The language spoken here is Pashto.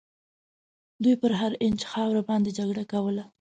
دوی پر هر اینچ خاوره باندي جګړه کوله.